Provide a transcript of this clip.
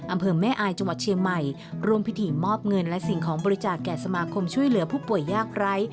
อำเภอแม่อายจังหวัดเชียงใหม่ร่วมพิธีมอบเงินและสิ่งของบริจาคแก่สมาคมช่วยเหลือผู้ป่วยยากไร้